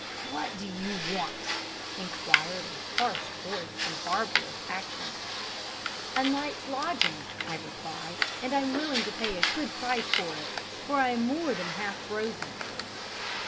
'What do you want?' enquired a harsh voice in barbarous accents. 'A night's lodging,' I replied; 'and I'm willing to pay a good price for it, for I'm more than half frozen.'